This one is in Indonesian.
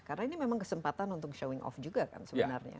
karena ini memang kesempatan untuk showing off juga kan sebenarnya